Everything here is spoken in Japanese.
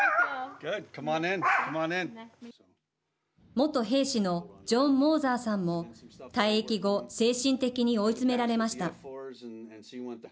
元兵士のジョン・モーザーさんも退役後、精神的に追い詰められました。